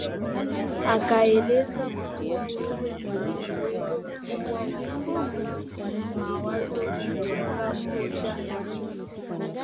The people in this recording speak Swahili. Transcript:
akaeleza kuwa wewe una uwezo mkubwa wa kupanga mawazo kujenga hoja lakini